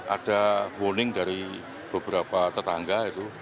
ada warning dari beberapa tetangga itu